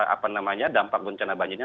apa namanya dampak bencana banjirnya